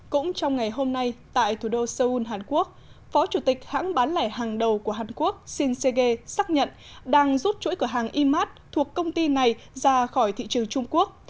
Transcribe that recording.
cũng trong ngày hôm nay tại thủ đô seoul hàn quốc phó chủ tịch hãng bán lẻ hàng đầu của hàn quốc shin se ge xác nhận đang rút chuỗi cửa hàng e mart thuộc công ty này ra khỏi thị trường trung quốc